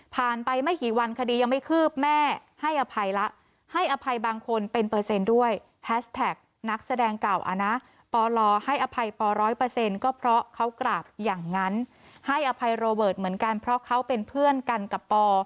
เพราะเขากราบอย่างนั้นให้อภัยโรเบิร์ตเหมือนกันเพราะเขาเป็นเพื่อนกันกับปอ